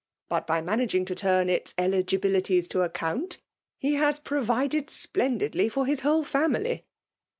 But by managing to turn its eligibilities to account, he has provided splendidly for his whole family.